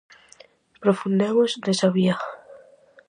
Profundemos nesa vía.